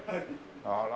あら。